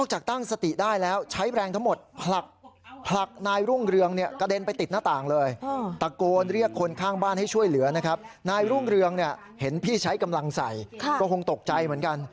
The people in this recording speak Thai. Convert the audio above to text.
หลุงเรืองเห็นพี่ใช้กำลังใส่ก็คงตกใจเหมือนกัน